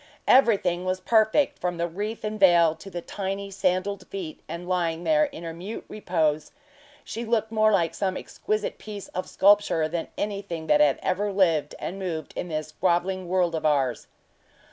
Everything was perfect, from the wreath and veil to the tiny sandaled feet and lying there in her mute repose she looked more like some exquisite piece of sculpture than anything that had ever lived and moved in this groveling world of ours.